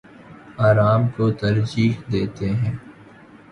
آرام کو ترجیح دیتے ہیں